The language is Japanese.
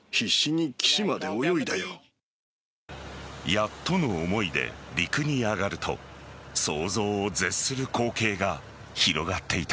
やっとの思いで陸に上がると想像を絶する光景が広がっていた。